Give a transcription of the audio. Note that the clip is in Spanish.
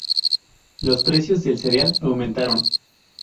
Los precios del cereal aumentaron.